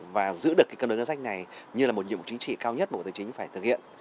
và giữ được cân đối ngân sách này như là một nhiệm vụ chính trị cao nhất bộ tài chính phải thực hiện